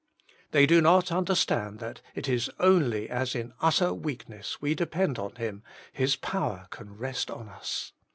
They do not understand that it is only as in utter weakness we depend upon Him, His power can rest on us.